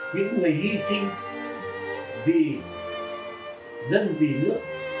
những người hy sinh vì dân vì nước